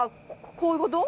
こういうこと？